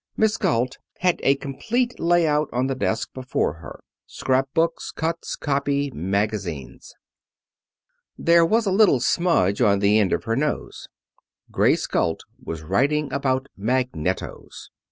Miss Galt had a complete layout on the desk before her scrap books, cuts, copy, magazines. There was a little smudge on the end of her nose. Grace Galt was writing about magnetos.